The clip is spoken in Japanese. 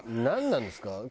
なんなんですか？